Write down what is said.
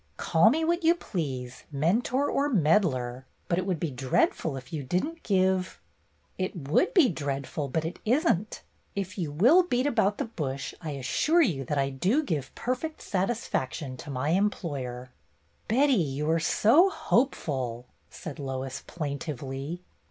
"Call me what you please, mentor or meddler, but it would be dreadful if you did n't give —" "It would be 'dreadful,' but it isn't. If you will beat about the bush, I assure you that I do give ' perfect satisfaction' to my employer." "Betty, you are so hopeful!" said Lois, plaintively.